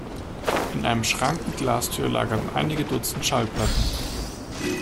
In einem Schrank mit Glastür lagerten einige dutzend Schallplatten.